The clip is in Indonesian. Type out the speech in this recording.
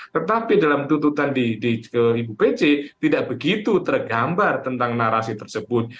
tetapi dalam tuntutan ke ibu pece tidak begitu tergambar tentang narasi tersebut